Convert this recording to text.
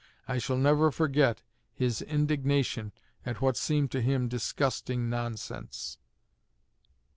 I shall never forget his indignation at what seemed to him disgusting nonsense."